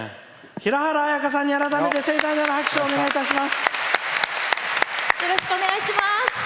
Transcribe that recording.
平原綾香さんに改めて盛大な拍手をお願いします。